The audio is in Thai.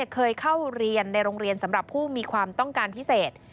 เคยเข้าเรียนในโรงเรียนสำหรับผู้มีความต้องการพิเศษ